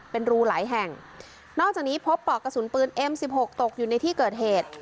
เป็นรูหลายแห่งนอกจากนี้พบปอกกระสุนปืนเอ็มสิบหกตกอยู่ในที่เกิดเหตุ